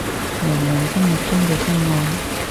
娘娘心目中嘅真愛